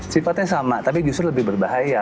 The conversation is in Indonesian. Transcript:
sifatnya sama tapi justru lebih berbahaya